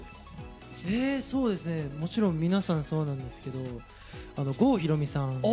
もちろん皆さんそうなんですけど郷ひろみさん。